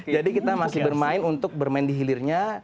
jadi kita masih bermain untuk bermain di hilirnya